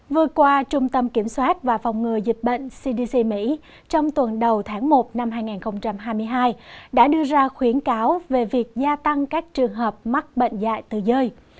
vừa qua trung tâm kiểm soát và phòng ngừa dịch bệnh cdc mỹ trong tuần đầu tháng một năm hai nghìn hai mươi hai đã đưa ra khuyến cáo về việc gia tăng các trường hợp mắc bệnh dạy từ rơi